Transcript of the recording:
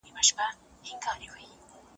که ورسره سم نه شو وروسته پاتې کیږو.